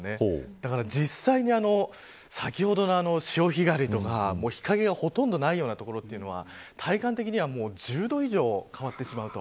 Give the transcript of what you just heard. だから実際に先ほどの潮干狩りとか日陰がほとんどないような所は体感的には１０度以上変わってしまう。